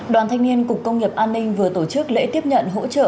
đoàn thanh niên cục công nghiệp an ninh vừa tổ chức lễ tiếp nhận hỗ trợ